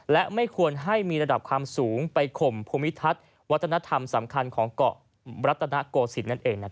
และไม่ควรให้มีระดับความสูงไปข่มภูมิทัศน์วัฒนธรรมสำคัญของเกาะรัตนโกศิลปนั่นเอง